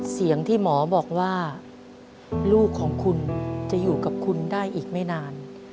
เสียงที่หมอบอกว่าลูกของคุณจะอยู่กับคุณได้อีกไม่นาน